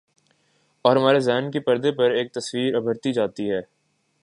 اورہمارے ذہن کے پردے پر ایک تصویر ابھرتی جاتی ہے۔